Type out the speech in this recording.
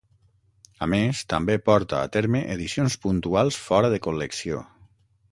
A més també porta a terme edicions puntuals fora de col·lecció.